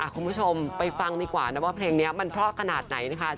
คุณผู้ชมไปฟังดีกว่านะว่าเพลงนี้มันเพราะขนาดไหนนะคะ